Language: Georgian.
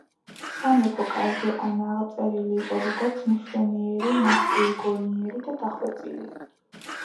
სამეფო კარზე ანა აღწერილი იყო როგორც: „მშვენიერი, მახვილგონიერი და დახვეწილი“.